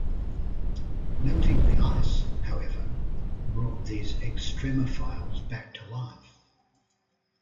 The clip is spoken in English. Melting the ice, however, brought these extremophiles back to life.